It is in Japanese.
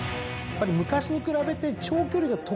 昔に比べて長距離が得意な馬。